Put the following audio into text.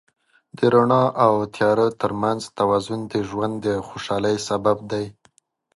د رڼا او تیاره تر منځ توازن د ژوند د خوشحالۍ سبب دی.